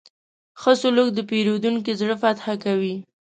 ښه سلوک د پیرودونکي زړه فتح کوي.